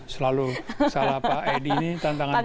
selalu salah pak edi ini tantangan khusus